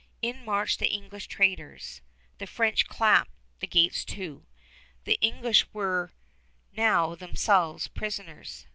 In marched the English traders. The French clapped the gates to. The English were now themselves prisoners.